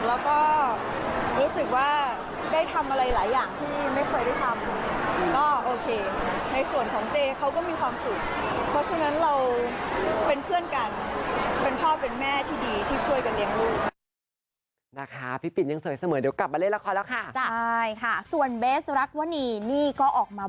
แล้วก็รู้สึกว่าได้ทำอะไรหลายอย่างที่ไม่เคยได้ทำ